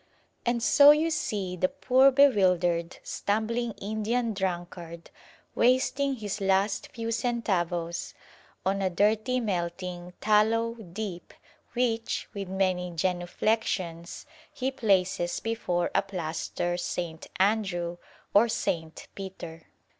And so you see the poor bewildered, stumbling Indian drunkard wasting his last few centavos on a dirty melting tallow dip which, with many genuflexions, he places before a plaster St. Andrew or St. Peter.